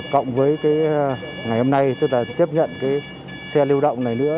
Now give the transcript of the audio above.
cộng với ngày hôm nay tức là tiếp nhận xe lưu động này nữa